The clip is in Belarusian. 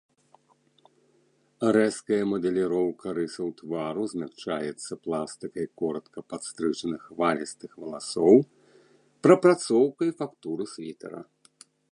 Рэзкая мадэліроўка рысаў твару змякчаецца пластыкай коратка падстрыжаных хвалістых валасоў, прапрацоўкай фактуры світэра.